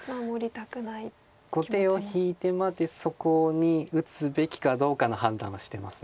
だから後手を引いてまでそこに打つべきかどうかの判断はしてます。